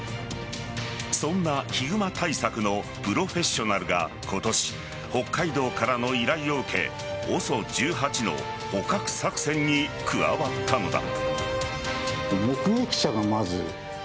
そんなヒグマ対策のプロフェッショナルが今年、北海道からの依頼を受けＯＳＯ１８の捕獲作戦に加わったのだ。